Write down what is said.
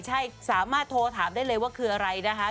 ใช่สามารถโทรถามได้เลยว่าคืออะไรนะคะ